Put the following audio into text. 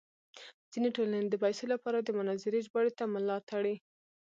ځینې ټولنې د پیسو لپاره د مناظرې ژباړې ته ملا تړي.